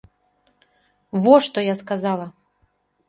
Во што я сказала!